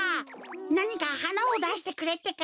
なにかはなをだしてくれってか。